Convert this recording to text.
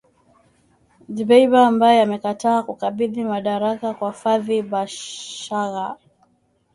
Dbeibah ambaye amekataa kukabidhi madaraka kwa Fathi Bashagha.